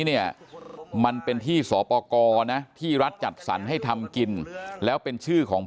เนี่ยมันเป็นที่สปกรนะที่รัฐจัดสรรให้ทำกินแล้วเป็นชื่อของ